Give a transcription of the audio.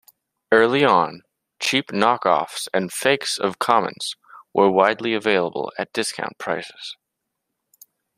Early on, cheap knock-offs and fakes of commons were widely available at discount prices.